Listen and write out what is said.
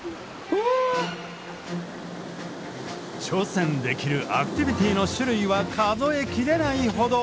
挑戦できるアクティビティーの種類は数え切れないほど。